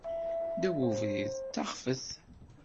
Ddaw ubrid, d taxfet.